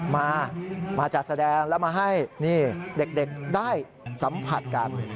มามาจัดแสดงแล้วมาให้นี่เด็กได้สัมผัสกัน